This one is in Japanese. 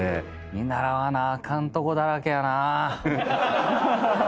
見習わなあかんとこだらけやなぁ。